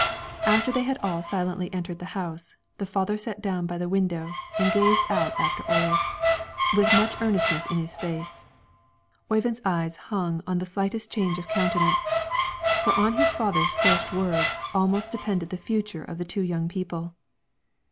After they had all silently entered the house, the father sat down by the window, and gazed out after Ole, with much earnestness in his face; Oyvind's eyes hung on the slightest change of countenance; for on his father's first words almost depended the future of the two young people.